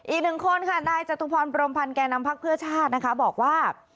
อีกหนึ่งคนค่ะนายจัตรุภรณ์ปรมพันธุ์แก่นำภาคเพื่อชาติบอกว่า